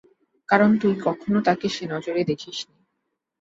কারণ তুই কখনো তাকে সে নজরে দেখিসনি।